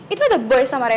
itu ada boys sama reva